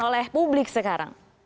oleh publik sekarang